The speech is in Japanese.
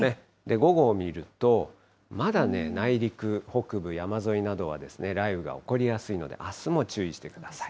午後を見ると、まだね、内陸、北部山沿いなどは雷雨が起こりやすいので、あすも注意してください。